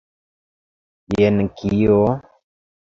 Jen kio?